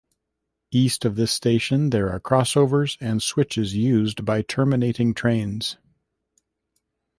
East of this station, there are crossovers and switches used by terminating trains.